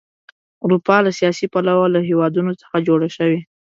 اروپا له سیاسي پلوه له هېوادونو څخه جوړه شوې.